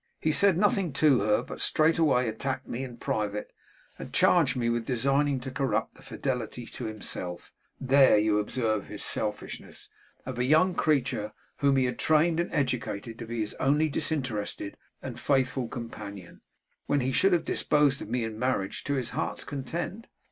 He said nothing to her, but straightway attacked me in private, and charged me with designing to corrupt the fidelity to himself (there you observe his selfishness), of a young creature whom he had trained and educated to be his only disinterested and faithful companion, when he should have disposed of me in marriage to his heart's content.